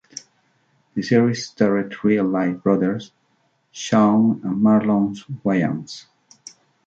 The series starred real-life brothers Shawn and Marlon Wayans.